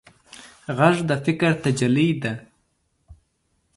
غږ د فکر تجلی ده